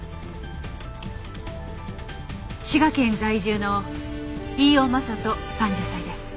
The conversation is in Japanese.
滋賀県在住の飯尾真人３０歳です。